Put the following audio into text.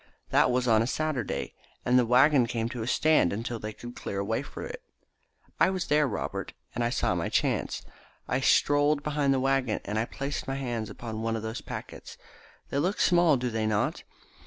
That was on a Saturday, and the waggon came to a stand until they could clear a way for it. I was there, Robert, and I saw my chance. I strolled behind the waggon, and I placed my hands upon one of those packets. They look small, do they not?